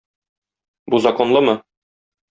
Бу законлымы?